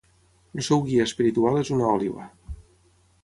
El seu guia espiritual és una òliba.